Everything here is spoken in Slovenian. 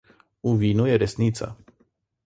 V vinu je resnica.